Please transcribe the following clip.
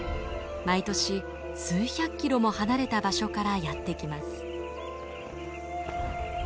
毎年数百キロも離れた場所からやって来ます。